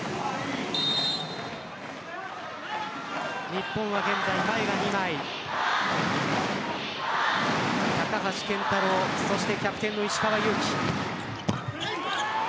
日本は現在、前が２枚、高橋健太郎そしてキャプテンの石川祐希。